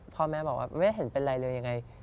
พ่อแม่บอกว่าไม่เห็นเป็นไรเลยยังไง